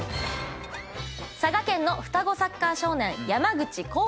佐賀県の双子サッカー少年。